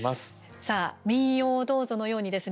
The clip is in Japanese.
さあ「民謡をどうぞ」のようにですね